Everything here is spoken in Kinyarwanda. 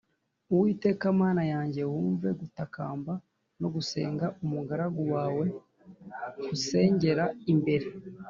uwiteka mana yanjye, wumve gutakamba no gusenga umugaragu wawe nkusengera imbere,